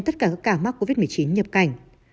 tất cả các ca mắc covid một mươi chín nhập cảnh